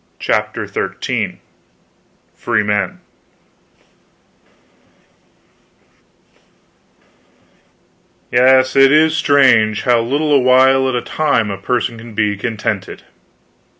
CHAPTER XIII FREEMEN Yes, it is strange how little a while at a time a person can be contented.